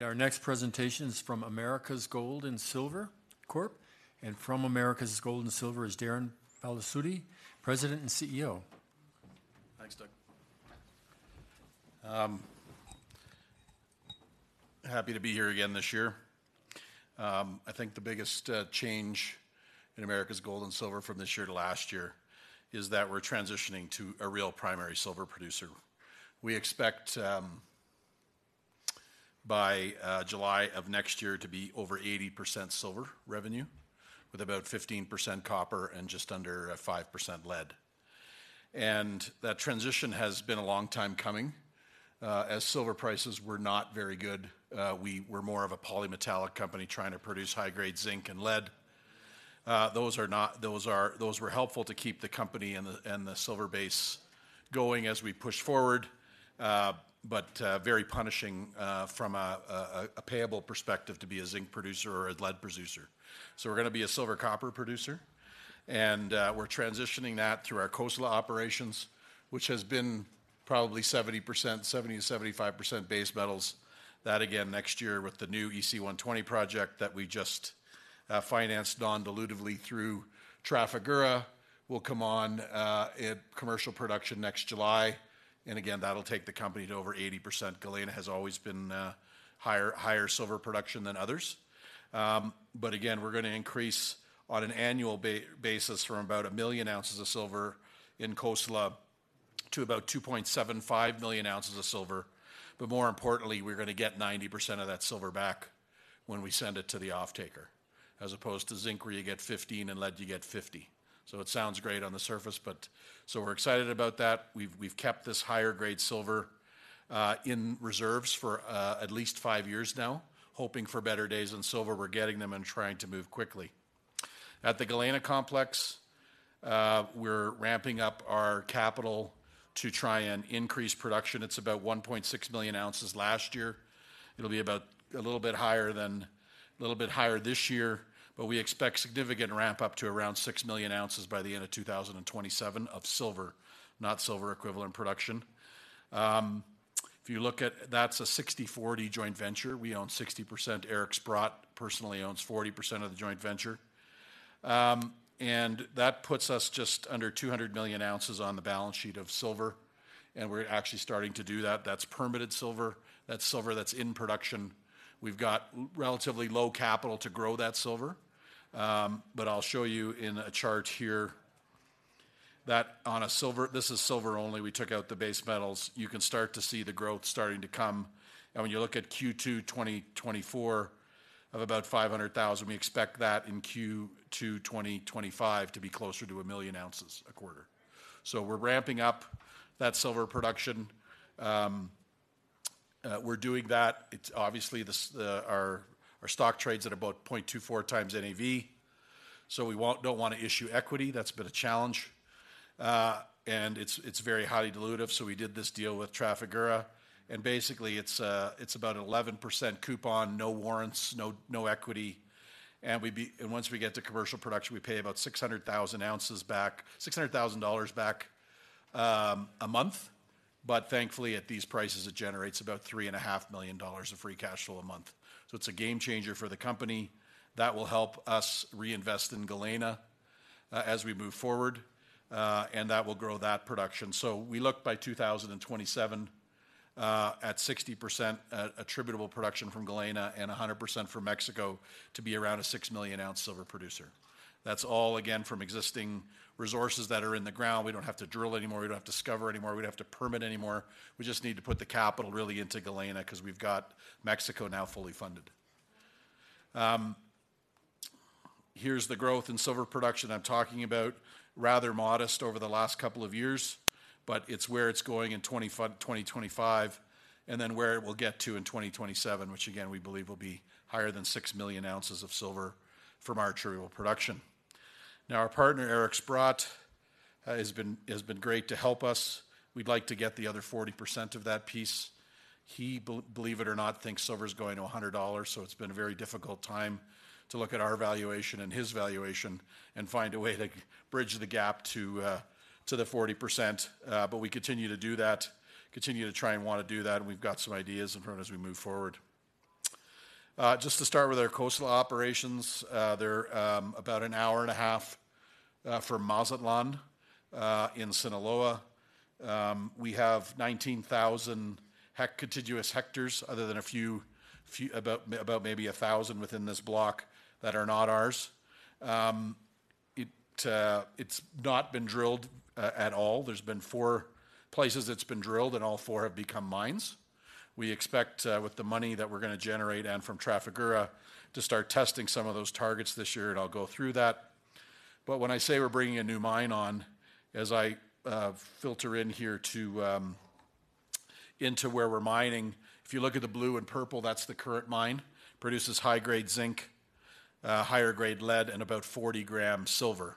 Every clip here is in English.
Our next presentation is from Americas Gold and Silver Corp., and from Americas Gold and Silver is Darren Blasutti, President and CEO. Thanks, Doug. Happy to be here again this year. I think the biggest change in Americas Gold and Silver from this year to last year is that we're transitioning to a real primary silver producer. We expect by July of next year to be over 80% silver revenue, with about 15% copper and just under 5% lead. And that transition has been a long time coming. As silver prices were not very good, we were more of a polymetallic company trying to produce high-grade zinc and lead. Those were helpful to keep the company and the silver base going as we push forward, but very punishing from a payable perspective to be a zinc producer or a lead producer. So we're gonna be a silver copper producer, and we're transitioning that through our Cosalá Operations, which has been probably 70%, 70%-75% base metals. That again, next year, with the new EC120 project that we just financed non-dilutively through Trafigura, will come on in commercial production next July. And again, that'll take the company to over 80%. Galena has always been higher silver production than others. But again, we're gonna increase on an annual basis from about a million ounces of silver in Cosalá to about 2.75 million ounces of silver. But more importantly, we're gonna get 90% of that silver back when we send it to the off-taker, as opposed to zinc, where you get 15%, and lead, you get 50%. So it sounds great on the surface, but... We're excited about that. We've kept this higher-grade silver in reserves for at least five years now, hoping for better days in silver. We're getting them and trying to move quickly. At the Galena Complex, we're ramping up our capital to try and increase production. It's about 1.6 million ounces last year. It'll be a little bit higher this year, but we expect significant ramp-up to around 6 million ounces by the end of 2027 of silver, not silver-equivalent production. If you look at that, that's a 60/40 joint venture. We own 60%. Eric Sprott personally owns 40% of the joint venture. And that puts us just under 200 million ounces on the balance sheet of silver, and we're actually starting to do that. That's permitted silver. That's silver that's in production. We've got relatively low capital to grow that silver, but I'll show you in a chart here that on a silver - this is silver only, we took out the base metals. You can start to see the growth starting to come, and when you look at Q2 2024 of about 500,000 ounces, we expect that in Q2 2025 to be closer to 1 million ounces a quarter, so we're ramping up that silver production. We're doing that. It's obviously this, our stock trades at about 0.24x NAV, so we don't want to issue equity. That's been a challenge. And it's very highly dilutive, so we did this deal with Trafigura, and basically, it's about an 11% coupon, no warrants, no equity, and once we get to commercial production, we pay about $600,000 back a month. But thankfully, at these prices, it generates about $3.5 million of free cash flow a month. So it's a game changer for the company. That will help us reinvest in Galena, as we move forward, and that will grow that production. So we look by 2027, at 60% attributable production from Galena and 100% from Mexico to be around a 6 million-ounce silver producer. That's all, again, from existing resources that are in the ground. We don't have to drill anymore. We don't have to discover anymore. We don't have to permit anymore. We just need to put the capital really into Galena, 'cause we've got Mexico now fully funded. Here's the growth in silver production I'm talking about. Rather modest over the last couple of years, but it's where it's going in 2025 and then where it will get to in 2027, which again, we believe will be higher than six million ounces of silver from our attributable production. Now, our partner, Eric Sprott, has been great to help us. We'd like to get the other 40% of that piece. He believes it or not, thinks silver is going to $100, so it's been a very difficult time to look at our valuation and his valuation and find a way to bridge the gap to the 40%. But we continue to do that, continue to try and want to do that, and we've got some ideas in front as we move forward. Just to start with our Cosalá Operations, they're about an hour and a half from Mazatlán in Sinaloa. We have 19,000 contiguous hectares other than a few, about maybe 1,000 within this block that are not ours. It's not been drilled at all. There's been 4 places that's been drilled, and all 4 have become mines. We expect, with the money that we're gonna generate and from Trafigura, to start testing some of those targets this year, and I'll go through that. But when I say we're bringing a new mine on, as I filter in here to into where we're mining, if you look at the blue and purple, that's the current mine. Produces high-grade zinc, higher grade lead, and about 40 grams silver.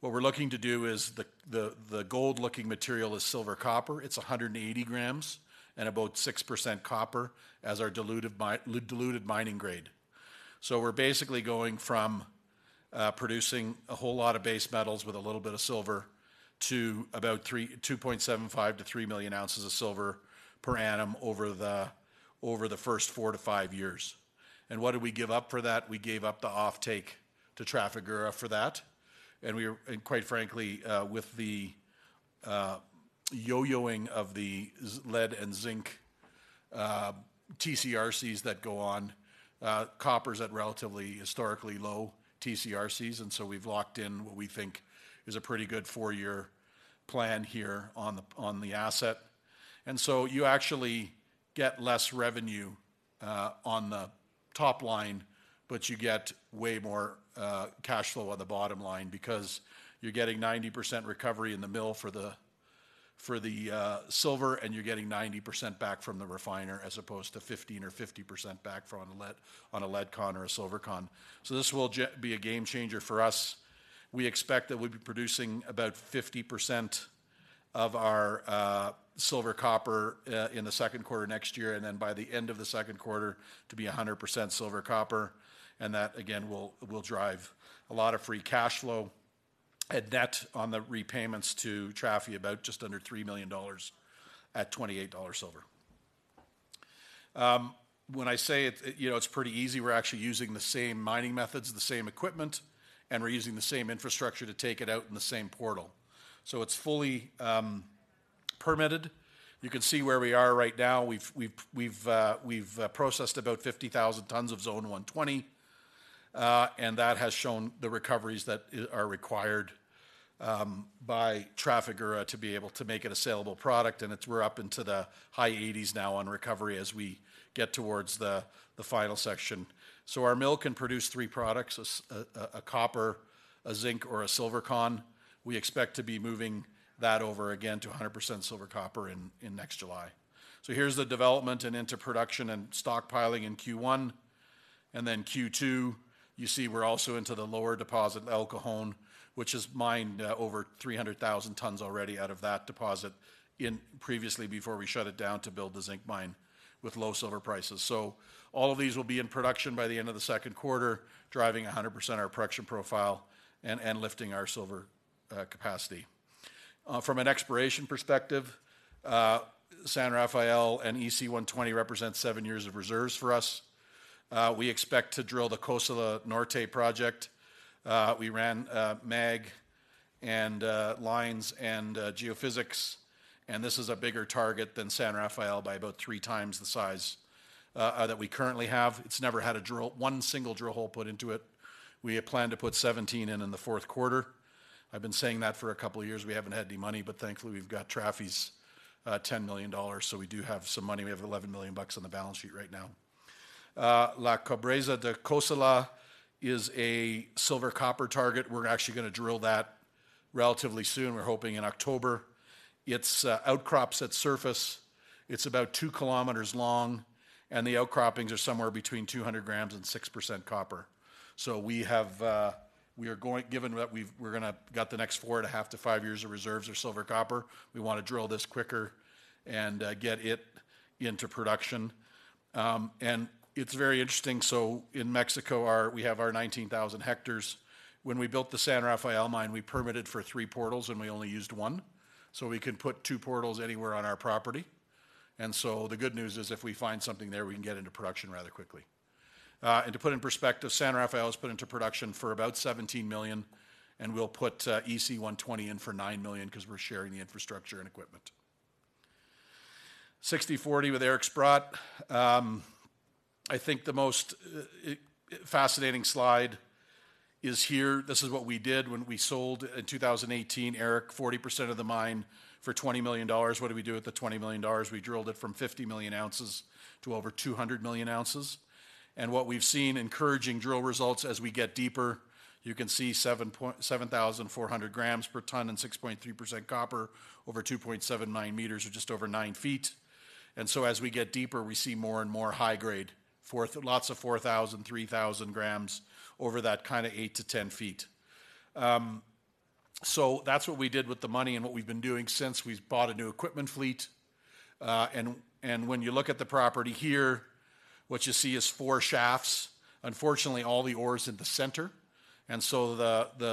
What we're looking to do is the gold-looking material is silver copper. It's 180 grams and about 6% copper as our diluted mining grade. So we're basically going from producing a whole lot of base metals with a little bit of silver to about 2.75 million ounces-3 million ounces of silver per annum over the first four to five years. And what did we give up for that? We gave up the offtake to Trafigura for that, and quite frankly, with the yo-yoing of the lead and zinc TCRCs that go on, copper's at relatively historically low TCRCs, and so we've locked in what we think is a pretty good four-year plan here on the asset. And so you actually get less revenue on the top line, but you get way more cash flow on the bottom line because you're getting 90% recovery in the mill for the silver, and you're getting 90% back from the refiner, as opposed to 15% or 50% back from a lead, on a lead con or a silver con. So this will be a game changer for us. We expect that we'll be producing about 50% of our silver copper in the second quarter next year, and then by the end of the second quarter, to be 100% silver copper, and that again, will drive a lot of free cash flow and net on the repayments to Trafigura, about just under $3 million at $28 silver. When I say it, you know, it's pretty easy, we're actually using the same mining methods, the same equipment, and we're using the same infrastructure to take it out in the same portal. So it's fully permitted. You can see where we are right now. We've processed about 50,000 tons of Zone 120, and that has shown the recoveries that are required by Trafigura to be able to make it a sellable product, and it's... We're up into the high 80s% now on recovery as we get towards the final section. So our mill can produce three products: a silver, a copper, a zinc, or a silver con. We expect to be moving that over again to 100% silver copper in next July. So here's the development and into production and stockpiling in Q1, and then Q2, you see we're also into the lower deposit at El Cajón, which is mined over 300,000 tons already out of that deposit previously before we shut it down to build the zinc mine with low silver prices. So all of these will be in production by the end of the second quarter, driving 100% our production profile and lifting our silver capacity. From an exploration perspective, San Rafael and EC120 represent seven years of reserves for us. We expect to drill the Costilla Norte project. We ran mag and lines and geophysics, and this is a bigger target than San Rafael by about three times the size that we currently have. It's never had one single drill hole put into it. We plan to put 17 hole in the fourth quarter. I've been saying that for a couple years. We haven't had any money, but thankfully, we've got Trafigura's $10 million, so we do have some money. We have $11 million on the balance sheet right now. La Cabrera de Costilla is a silver copper target. We're actually gonna drill that relatively soon. We're hoping in October. It outcrops at surface, it's about two kilometers long, and the outcroppings are somewhere between 200 grams and 6% copper. So we have, given that we've got the next 4.5 years-5 years of reserves of silver copper, we wanna drill this quicker and get it into production. And it's very interesting. So in Mexico, we have our 19,000 hectares. When we built the San Rafael mine, we permitted for three portals, and we only used one. So we can put two portals anywhere on our property, and so the good news is, if we find something there, we can get into production rather quickly. And to put in perspective, San Rafael was put into production for about $17 million, and we'll put EC120 in for $9 million 'cause we're sharing the infrastructure and equipment. 60/40 with Eric Sprott. I think the most fascinating slide is here. This is what we did when we sold in 2018, Eric, 40% of the mine for $20 million. What did we do with the $20 million? We drilled it from 50 million ounces to over 200 million ounces, and what we've seen, encouraging drill results as we get deeper. You can see 7,700 grams per ton and 6.3% copper over 2.79 meters or just over nine feet. And so as we get deeper, we see more and more high grade. Four lots of 4,000 grams, 3,000 grams over that kind of 8 ft-10 ft. So that's what we did with the money and what we've been doing since. We've bought a new equipment fleet, and when you look at the property here, what you see is four shafts. Unfortunately, all the ore's in the center, and so,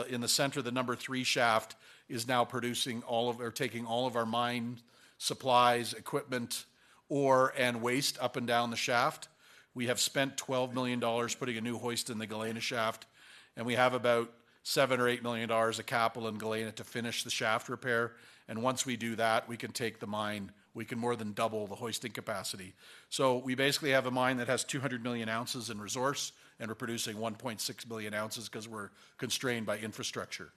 in the center, the number 3 shaft is now producing all of, or taking all of our mine supplies, equipment, ore, and waste up and down the shaft. We have spent $12 million putting a new hoist in the Galena shaft, and we have about $7 million or $8 million of capital in Galena to finish the shaft repair, and once we do that, we can take the mine... We can more than double the hoisting capacity. So we basically have a mine that has 200 million ounces in resource, and we're producing 1.6 billion ounces 'cause we're constrained by infrastructure.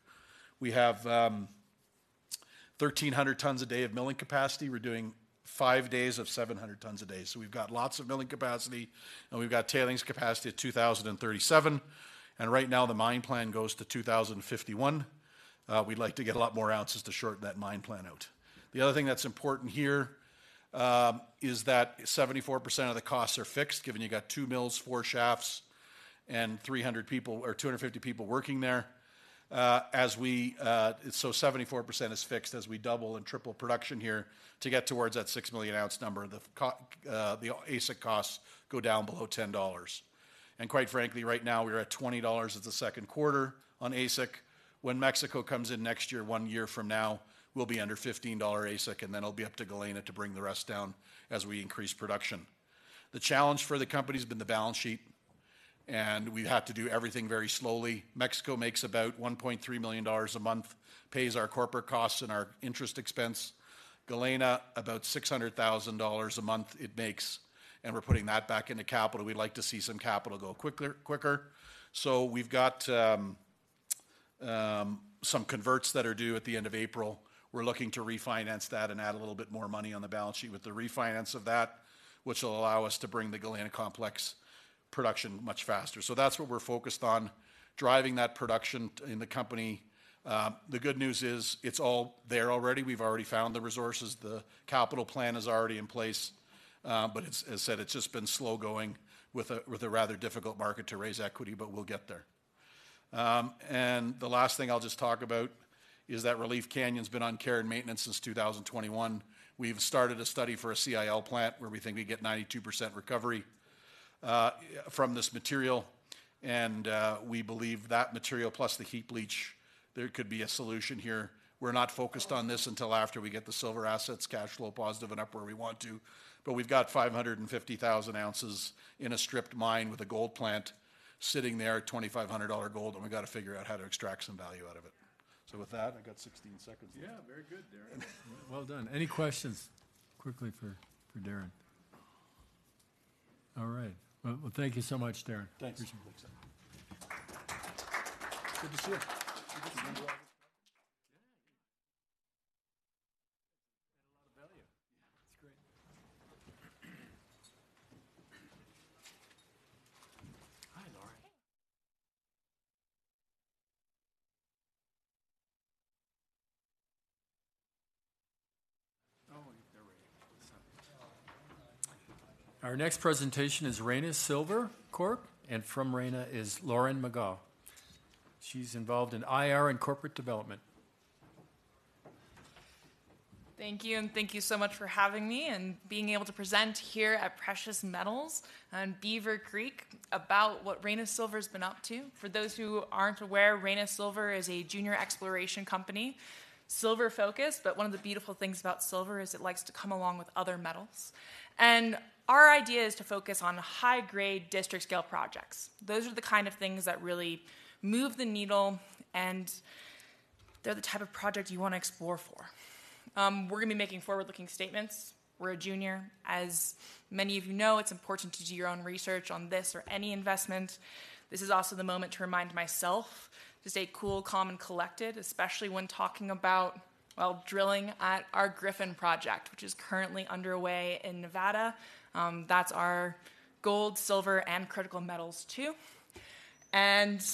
We have 1,300 tons a day of milling capacity. We're doing five days of 700 tons a day. So we've got lots of milling capacity, and we've got tailings capacity of 2,037, and right now, the mine plan goes to 2,051. We'd like to get a lot more ounces to shorten that mine plan out. The other thing that's important here is that 74% of the costs are fixed, given you've got two mills, four shafts, and 300 people or 250 people working there. As we so, 74% is fixed as we double and triple production here to get towards that 6 million ounce number. The AISC costs go down below $10. And quite frankly, right now, we are at $20 at the second quarter on AISC. When Mexico comes in next year, one year from now, we'll be under $15 AISC, and then it'll be up to Galena to bring the rest down as we increase production. The challenge for the company has been the balance sheet, and we've had to do everything very slowly. Mexico makes about $1.3 million a month, pays our corporate costs and our interest expense. Galena, about $600,000 a month it makes, and we're putting that back into capital. We'd like to see some capital go quicker, quicker. So we've got some converts that are due at the end of April. We're looking to refinance that and add a little bit more money on the balance sheet with the refinance of that, which will allow us to bring the Galena Complex production much faster. So that's what we're focused on, driving that production in the company. The good news is it's all there already. We've already found the resources, the capital plan is already in place, but as said, it's just been slow going with a rather difficult market to raise equity, but we'll get there. And the last thing I'll just talk about is that Relief Canyon's been on care and maintenance since 2021. We've started a study for a CIL plant, where we think we get 92% recovery from this material, and we believe that material plus the heap leach, there could be a solution here. We're not focused on this until after we get the silver assets cash flow positive and up where we want to, but we've got 550,000 ounces in a stripped mine with a gold plant sitting there at $2,500 gold, and we've got to figure out how to extract some value out of it. So with that, I've got 16 seconds left. Yeah, very good, Darren. Well done. Any questions quickly for Darren? All right. Well, thank you so much, Darren. Thanks. Appreciate it. Good to see you. Good to see you. Yeah. Add a lot of value. Yeah, it's great. Hi, Lauren. Oh, they're waiting. Sorry. Our next presentation is Reyna Silver Corp., and from Reyna is Lauren Megaw. She's involved in IR and Corporate Development. Thank you, and thank you so much for having me and being able to present here at Precious Metals on Beaver Creek about what Reyna Silver's been up to. For those who aren't aware, Reyna Silver is a junior exploration company, silver-focused, but one of the beautiful things about silver is it likes to come along with other metals. Our idea is to focus on high-grade district-scale projects. Those are the kind of things that really move the needle, and they're the type of project you wanna explore for. We're gonna be making forward-looking statements. We're a junior. As many of you know, it's important to do your own research on this or any investment. This is also the moment to remind myself to stay cool, calm, and collected, especially when talking about, well, drilling at our Griffin project, which is currently underway in Nevada. That's our gold, silver, and critical metals, too, and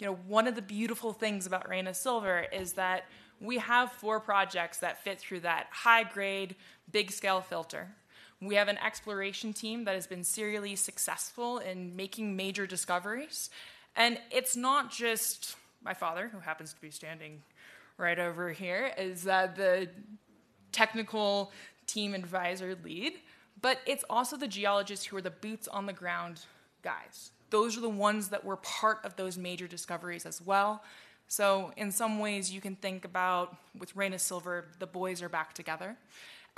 you know, one of the beautiful things about Reyna Silver is that we have four projects that fit through that high-grade, big-scale filter. We have an exploration team that has been serially successful in making major discoveries, and it's not just my father, who happens to be standing right over here, as the technical team advisor lead, but it's also the geologists who are the boots-on-the-ground guys. Those are the ones that were part of those major discoveries as well, so in some ways, you can think about with Reyna Silver, the boys are back together,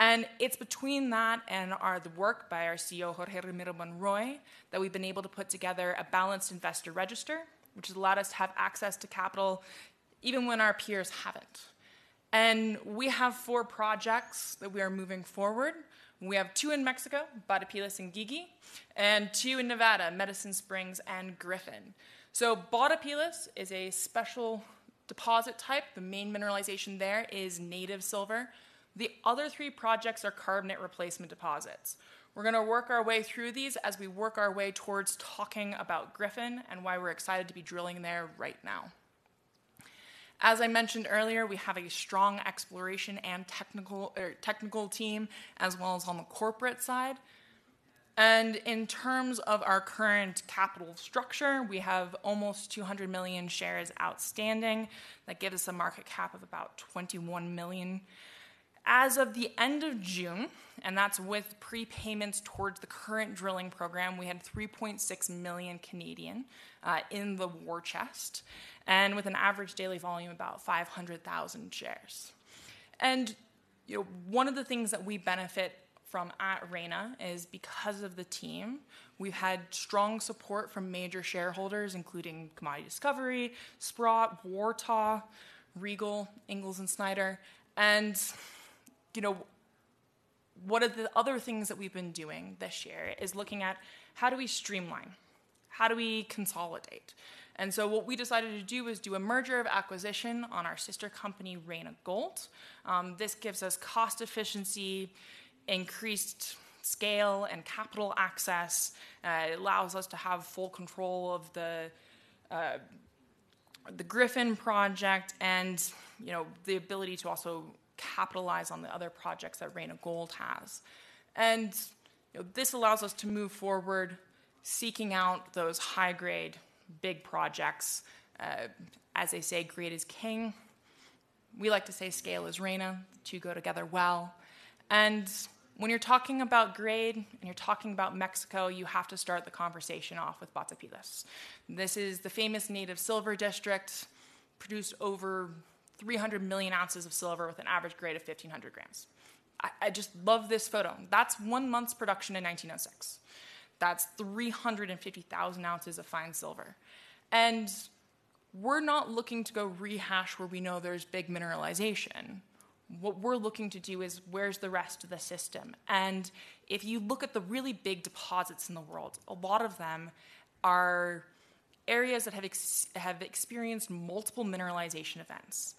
and it's between that and the work by our CEO, Jorge Ramiro Monroy, that we've been able to put together a balanced investor register, which has allowed us to have access to capital even when our peers haven't. We have four projects that we are moving forward. We have two in Mexico, Batopilas and Guigui, and two in Nevada, Medicine Springs and Griffin. Batopilas is a special deposit type. The main mineralization there is native silver. The other three projects are carbonate replacement deposits. We're gonna work our way through these as we work our way towards talking about Griffin and why we're excited to be drilling there right now. As I mentioned earlier, we have a strong exploration and technical team, as well as on the corporate side. In terms of our current capital structure, we have almost 200 million shares outstanding. That gives us a market cap of about 21 million. As of the end of June, and that's with prepayments towards the current drilling program, we had 3.6 million in the war chest, and with an average daily volume of about 500,000 shares. You know, one of the things that we benefit from at Reyna is because of the team, we've had strong support from major shareholders, including Commodity Discovery, Sprott, Waratah, Regal, Ingalls and Snyder. You know, one of the other things that we've been doing this year is looking at: How do we streamline? How do we consolidate? And so what we decided to do is do a merger of acquisition on our sister company, Reyna Gold. This gives us cost efficiency, increased scale, and capital access. It allows us to have full control of the Griffin project and, you know, the ability to also capitalize on the other projects that Reyna Gold has. You know, this allows us to move forward, seeking out those high-grade, big projects. As they say, "Grade is king." We like to say scale is Reyna; the two go together well. When you're talking about grade, and you're talking about Mexico, you have to start the conversation off with Batopilas. This is the famous native silver district, produced over 300 million ounces of silver with an average grade of 1,500 grams. I just love this photo. That's one month's production in 1906. That's 350,000 ounces of fine silver, and we're not looking to go rehash where we know there's big mineralization. What we're looking to do is, where's the rest of the system? If you look at the really big deposits in the world, a lot of them are areas that have experienced multiple mineralization events.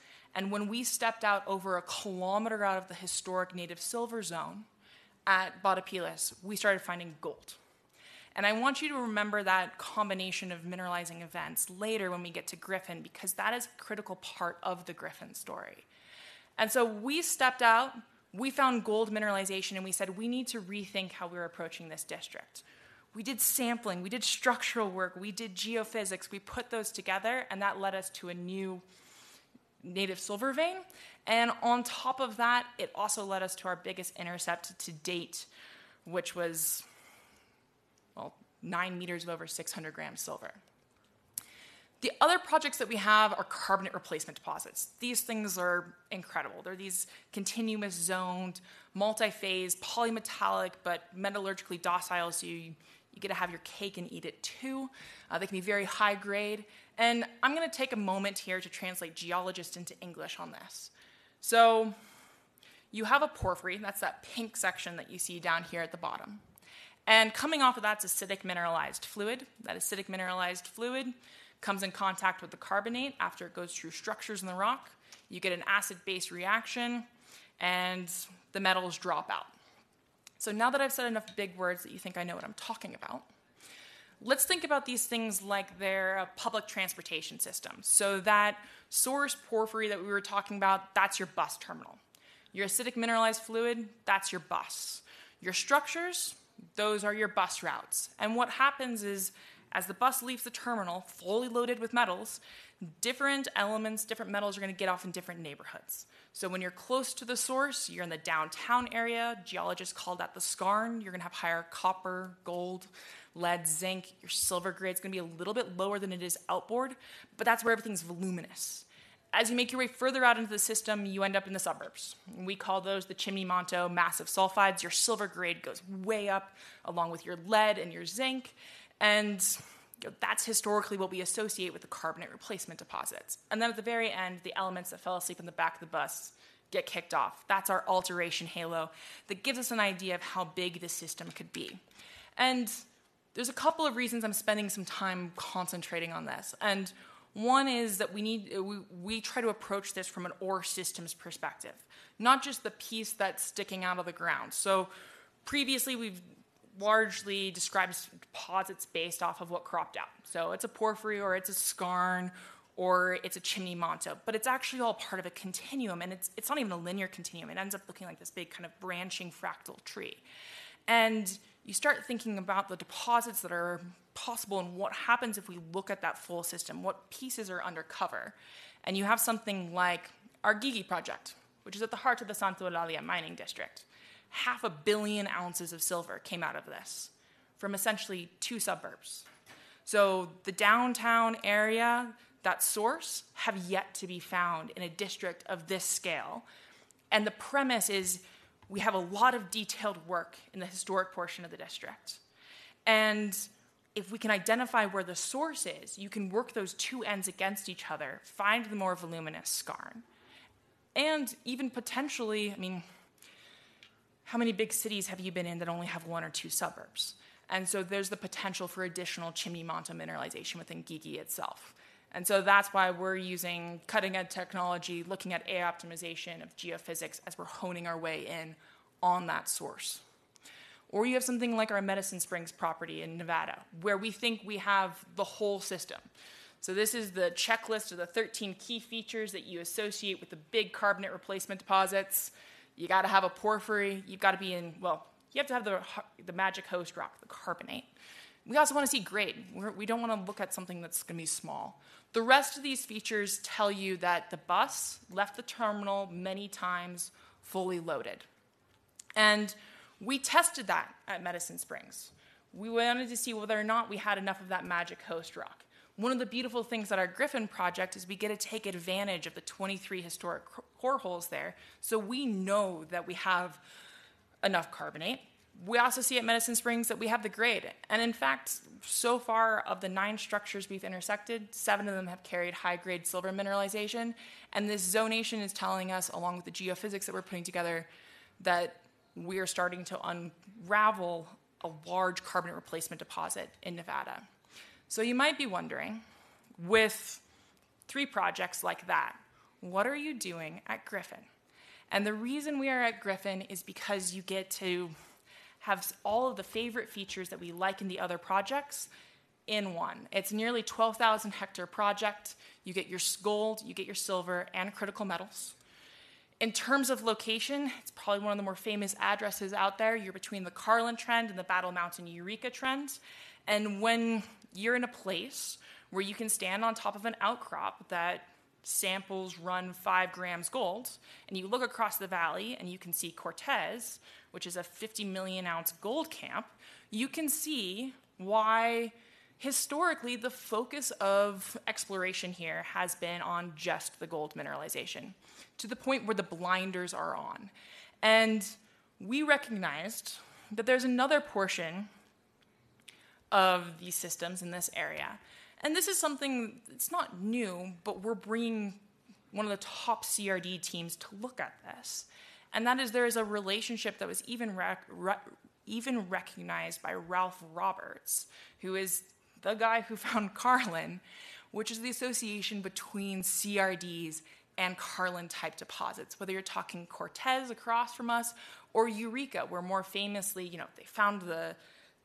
When we stepped out over a kilometer out of the historic native silver zone at Batopilas, we started finding gold. I want you to remember that combination of mineralizing events later when we get to Griffin, because that is a critical part of the Griffin story. We stepped out, we found gold mineralization, and we said, "We need to rethink how we're approaching this district." We did sampling, we did structural work, we did geophysics. We put those together, and that led us to a new native silver vein, and on top of that, it also led us to our biggest intercept to date, which was, well, nine meters of over 600 grams silver. The other projects that we have are carbonate replacement deposits. These things are incredible. They're these continuous zoned, multi-phase, polymetallic, but metallurgically docile, so you get to have your cake and eat it, too. They can be very high grade, and I'm gonna take a moment here to translate geologist into English on this. So you have a porphyry, that's that pink section that you see down here at the bottom, and coming off of that's acidic mineralized fluid. That acidic mineralized fluid comes in contact with the carbonate after it goes through structures in the rock, you get an acid-base reaction, and the metals drop out. So now that I've said enough big words that you think I know what I'm talking about, let's think about these things like they're a public transportation system. So that source porphyry that we were talking about, that's your bus terminal. Your acidic mineralized fluid, that's your bus. Your structures, those are your bus routes, and what happens is, as the bus leaves the terminal, fully loaded with metals, different elements, different metals, are gonna get off in different neighborhoods. So when you're close to the source, you're in the downtown area. Geologists call that the skarn. You're gonna have higher copper, gold, lead, zinc. Your silver grade's gonna be a little bit lower than it is outboard, but that's where everything's voluminous. As you make your way further out into the system, you end up in the suburbs, and we call those the chimney manto massive sulfides. Your silver grade goes way up, along with your lead and your zinc, and that's historically what we associate with the carbonate replacement deposits, and then at the very end, the elements that fell asleep in the back of the bus get kicked off. That's our alteration halo. That gives us an idea of how big the system could be, and there's a couple of reasons I'm spending some time concentrating on this, and one is that we try to approach this from an ore systems perspective, not just the piece that's sticking out of the ground, so previously, we've largely described deposits based off of what cropped out, so it's a porphyry, or it's a skarn, or it's a chimney manto, but it's actually all part of a continuum, and it's not even a linear continuum. It ends up looking like this big kind of branching fractal tree. And you start thinking about the deposits that are possible and what happens if we look at that full system, what pieces are undercover? And you have something like our Guigui project, which is at the heart of the Santa Eulalia Mining District. 500 million ounces of silver came out of this from essentially two suburbs. So the downtown area, that source, have yet to be found in a district of this scale, and the premise is we have a lot of detailed work in the historic portion of the district. And if we can identify where the source is, you can work those two ends against each other, find the more voluminous skarn, and even potentially... I mean, how many big cities have you been in that only have one or two suburbs? And so there's the potential for additional chimney manto mineralization within Guigui itself. And so that's why we're using cutting-edge technology, looking at AI optimization of geophysics as we're honing our way in on that source. Or you have something like our Medicine Springs property in Nevada, where we think we have the whole system. So this is the checklist of the 13 key features that you associate with the big carbonate replacement deposits. You got to have a porphyry. You've got to be in, well, you have to have the magic host rock, the carbonate. We also want to see grade. We don't want to look at something that's gonna be small. The rest of these features tell you that the bus left the terminal many times, fully loaded, and we tested that at Medicine Springs. We wanted to see whether or not we had enough of that magic host rock. One of the beautiful things at our Griffin project is we get to take advantage of the twenty-three historic core holes there, so we know that we have enough carbonate. We also see at Medicine Springs that we have the grade, and in fact, so far, of the nine structures we've intersected, seven of them have carried high-grade silver mineralization, and this zonation is telling us, along with the geophysics that we're putting together, that we are starting to unravel a large carbonate replacement deposit in Nevada, so you might be wondering, with three projects like that, what are you doing at Griffin, and the reason we are at Griffin is because you get to have all of the favorite features that we like in the other projects in one. It's a nearly 12,000-hectare project. You get your silver, gold, you get your silver and critical metals. In terms of location, it's probably one of the more famous addresses out there. You're between the Carlin Trend and the Battle Mountain-Eureka Trend. And when you're in a place where you can stand on top of an outcrop that samples run 5 grams gold, and you look across the valley, and you can see Cortez, which is a 50 million-ounce gold camp, you can see why, historically, the focus of exploration here has been on just the gold mineralization, to the point where the blinders are on. And we recognized that there's another portion of these systems in this area, and this is something that's not new, but we're bringing one of the top CRD teams to look at this. And that is, there is a relationship that was even recognized by Ralph Roberts, who is the guy who found Carlin, which is the association between CRDs and Carlin-type deposits. Whether you're talking Cortez across from us, or Eureka, where more famously, you know, they found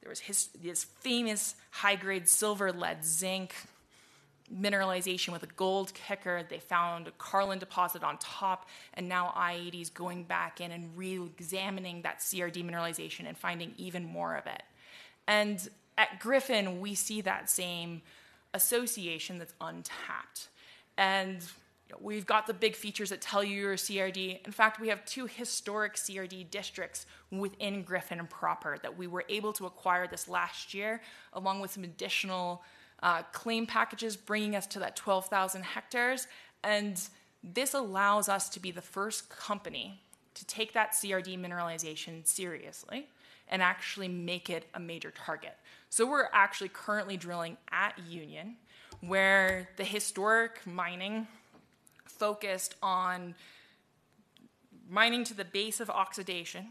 this famous high-grade silver, lead, zinc mineralization with a gold kicker. They found a Carlin deposit on top, and now i-80's going back in and re-examining that CRD mineralization and finding even more of it. And at Griffin, we see that same association that's untapped, and we've got the big features that tell you you're a CRD. In fact, we have two historic CRD districts within Griffin proper, that we were able to acquire this last year, along with some additional claim packages, bringing us to that 12,000 hectares. And this allows us to be the first company to take that CRD mineralization seriously and actually make it a major target. So we're actually currently drilling at Union, where the historic mining focused on mining to the base of oxidation,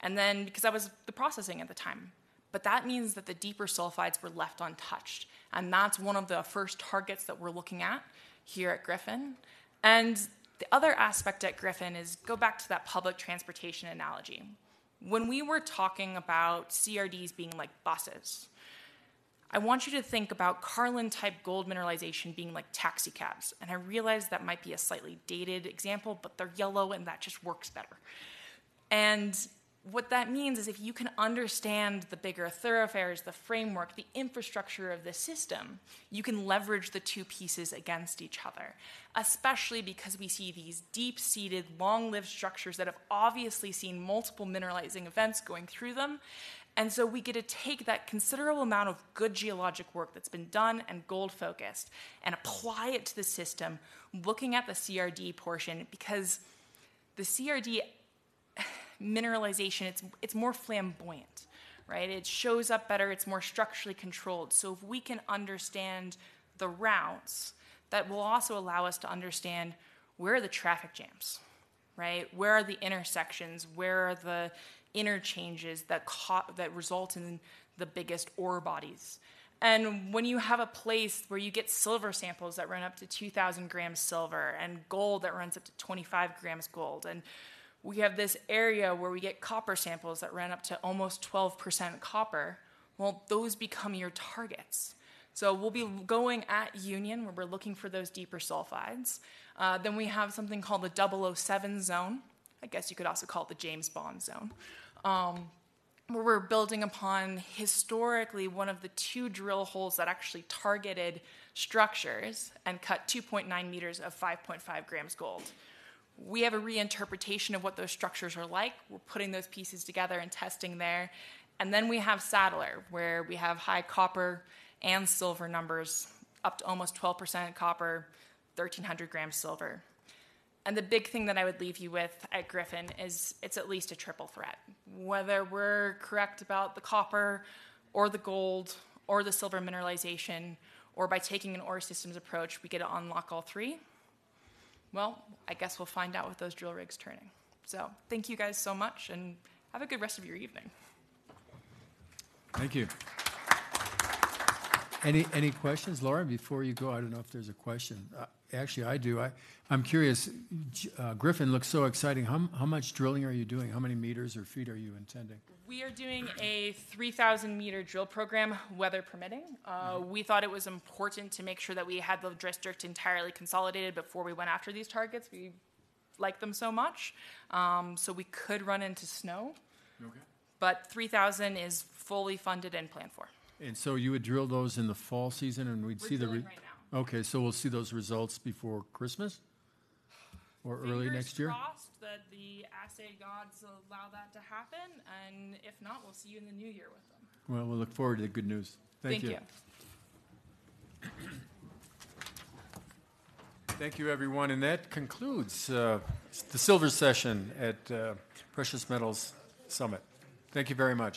and then, because that was the processing at the time, but that means that the deeper sulfides were left untouched, and that's one of the first targets that we're looking at here at Griffin. And the other aspect at Griffin is, go back to that public transportation analogy. When we were talking about CRDs being like buses, I want you to think about Carlin-type gold mineralization being like taxi cabs. And I realize that might be a slightly dated example, but they're yellow, and that just works better. What that means is, if you can understand the bigger thoroughfares, the framework, the infrastructure of the system, you can leverage the two pieces against each other, especially because we see these deep-seated, long-lived structures that have obviously seen multiple mineralizing events going through them. We get to take that considerable amount of good geologic work that's been done and gold-focused and apply it to the system, looking at the CRD portion, because the CRD mineralization, it's more flamboyant, right? It shows up better, it's more structurally controlled. If we can understand the routes, that will also allow us to understand where are the traffic jams, right? Where are the intersections? Where are the interchanges that result in the biggest ore bodies? When you have a place where you get silver samples that run up to two thousand grams silver, and gold that runs up to twenty-five grams gold, and we have this area where we get copper samples that ran up to almost 12% copper, well, those become your targets, so we'll be going at Union, where we're looking for those deeper sulfides, then we have something called the 007 Zone. I guess you could also call it the James Bond Zone, where we're building upon historically, one of the two drill holes that actually targeted structures and cut 2.9 meters of 5.5 grams gold. We have a reinterpretation of what those structures are like. We're putting those pieces together and testing there. And then we have Sadler, where we have high copper and silver numbers, up to almost 12% copper, 1,300 grams silver. And the big thing that I would leave you with at Griffin is, it's at least a triple threat. Whether we're correct about the copper or the gold or the silver mineralization, or by taking an ore systems approach, we get to unlock all three. Well, I guess we'll find out with those drill rigs turning. So thank you guys so much, and have a good rest of your evening. Thank you. Any, any questions? Lauren, before you go, I don't know if there's a question. Actually, I do. I'm curious. Griffin looks so exciting. How, how much drilling are you doing? How many meters or feet are you intending? We are doing a 3,000-meter drill program, weather permitting. We thought it was important to make sure that we had the district entirely consolidated before we went after these targets. We like them so much. So we could run into snow. Okay. But 3,000 is fully funded and planned for. And so you would drill those in the fall season, and we'd see the re- We're drilling right now. Okay, so we'll see those results before Christmas? Or early next year? Fingers crossed that the assay gods allow that to happen, and if not, we'll see you in the new year with them. We look forward to the good news. Thank you. Thank you. Thank you, everyone, and that concludes the silver session at Precious Metals Summit. Thank you very much.